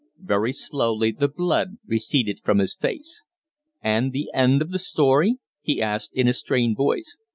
Very slowly the blood receded from his face. "And the end of the story?" he asked, in a strained voice.